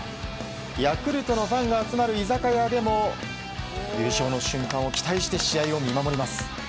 ヤクルトのファンが集まる居酒屋でも優勝の瞬間を期待して試合を見守ります。